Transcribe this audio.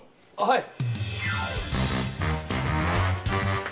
はい。